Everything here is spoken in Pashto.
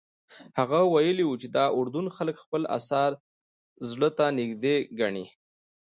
هغه ویلي وو چې د اردن خلک خپل اثار زړه ته نږدې ګڼي.